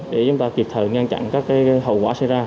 để chúng ta kịp thời ngăn chặn các hậu quả xảy ra